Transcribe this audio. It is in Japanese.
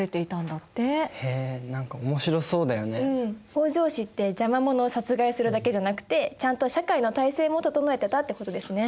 北条氏って邪魔者を殺害するだけじゃなくてちゃんと社会の体制も整えてたってことですね。